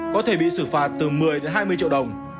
có thể bị xử phạt từ một mươi hai mươi triệu đồng